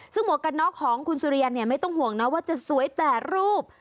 ซึ่งหมวกกันน็อกของคุณสุเรียนเนี่ยไม่ต้องห่วงนะว่าจะสวยแต่รูป